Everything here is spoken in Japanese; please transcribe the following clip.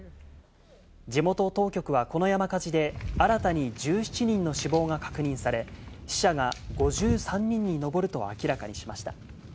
地元当局はこの山火事で新たに１７人の死亡が確認され、死者が５３人に上ると明らかにしました。